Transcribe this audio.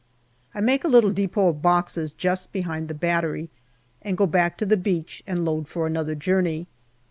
I make a little depot of boxes just behind the battery, and go back to the beach and load for another journey.